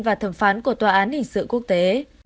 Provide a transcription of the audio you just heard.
và thẩm phán của tòa án hình sự quốc tế